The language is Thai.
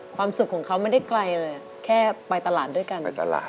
ความสุขของเขาไม่ได้ไกลเลยแค่ไปตลาดด้วยกันไปตลาด